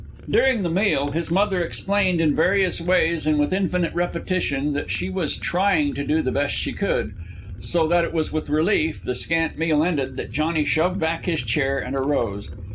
During the meal, his mother explained in various ways and with infinite repetition that she was trying to do the best she could; so that it was with relief, the scant meal ended, that Johnny shoved back his chair and arose.